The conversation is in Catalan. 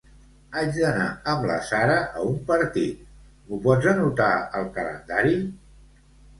Haig d'anar amb la Sara a un partit; m'ho pots anotar al calendari?